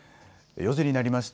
４時になりました。